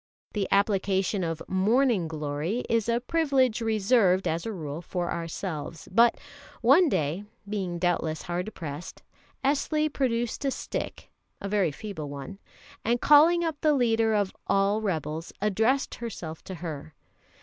The application of "morning glory" is a privilege reserved, as a rule, for ourselves; but one day, being doubtless hard pressed, Esli produced a stick a very feeble one and calling up the leader of all rebels, addressed herself to her.